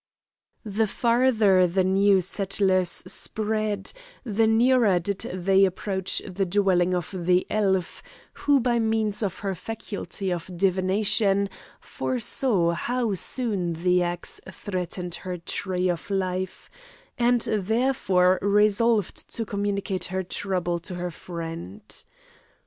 The farther the new settlers spread the nearer did they approach the dwelling of the elf, who by means of her faculty of divination foresaw how soon the axe threatened her tree of life, and therefore resolved to communicate her trouble to her friend.